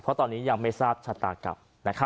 เพราะตอนนี้ยังไม่ทราบชะตากรรม